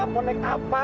mau naik apa